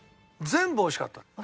全部美味しかった。